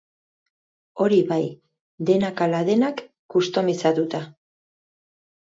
Hori bai, denak ala denak, kustomizatuta.